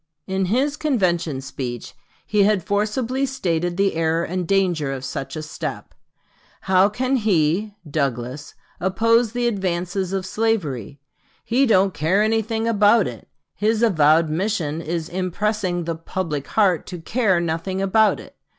In his convention speech he had forcibly stated the error and danger of such a step. "How can he [Douglas] oppose the advances of slavery? He don't care anything about it. His avowed mission is impressing the 'public heart' to care nothing about it....